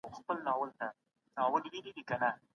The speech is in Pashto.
هغه د خپل دريځ څخه يو قدم هم شا نه شو.